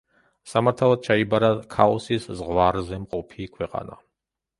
სამართავად ჩაიბარა ქაოსის ზღვარზე მყოფი ქვეყანა.